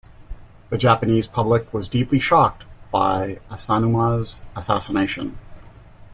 The Japanese public was deeply shocked by Asanuma's assassination.